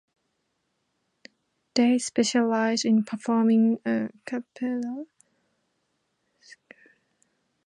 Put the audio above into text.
They specialise in performing "a cappella" sacred vocal music.